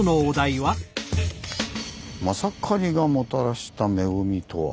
「“まさかり”がもたらした恵みとは？」。